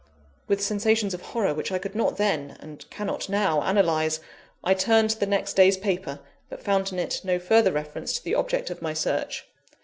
With sensations of horror which I could not then, and cannot now analyse, I turned to the next day's paper; but found in it no further reference to the object of my search.